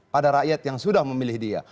pada rakyat yang sudah memilih dia